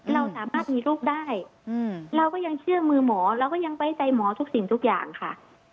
เราสามารถมีลูกได้เราก็ยังเชื่อมือหมอเราก็ยังไว้ใจหมอทุกสิ่งทุกอย่างค่ะ